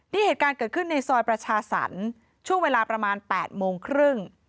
นี่เหตุการณ์เกิดขึ้นในซอยประชาสรรค์ช่วงเวลาประมาณ๘โมงครึ่ง